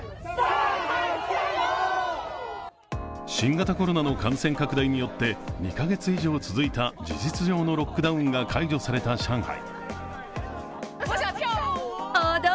新型コロナの感染拡大によって２カ月以上続いた事実上のロックダウンが解除された上海。